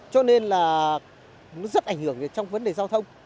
cho nên là nó rất ảnh hưởng trong vấn đề giao thông